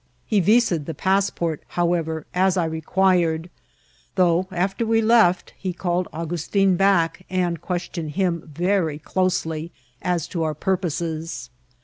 He visid the passport, however, as I requi red ; though, after we left, he called Augustin back, and questioned him very closely as to our purposes.